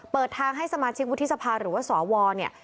เปิดทางให้สมาชิกวุฒิสภาหรือว่าสวเนี่ย